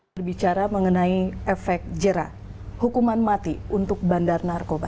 berbicara mengenai efek jerah hukuman mati untuk bandar narkoba